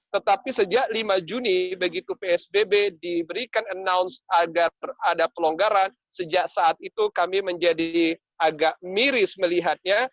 tetapi sejak lima juni begitu psbb diberikan announce agar ada pelonggaran sejak saat itu kami menjadi agak miris melihatnya